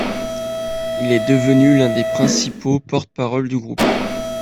Il est devenu l'un des principaux porte-parole du groupe.